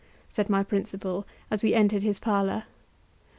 said my principal as we entered his parlour.